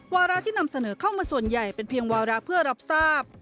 วาระที่นำเสนอเข้ามาส่วนใหญ่เป็นเพียงวาระเพื่อรับทราบ